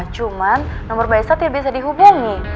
cuman nomor baisa tidak bisa dihubungi